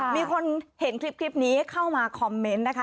มีคนเห็นคลิปนี้เข้ามาคอมเมนต์นะคะ